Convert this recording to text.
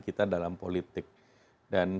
kita dalam politik dan